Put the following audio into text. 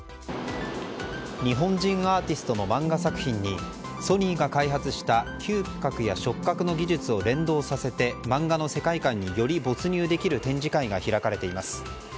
日本人アーティストの漫画作品にソニーが開発した嗅覚や触覚の技術を連動させて漫画の世界観に、より没入できる展示会が開かれています。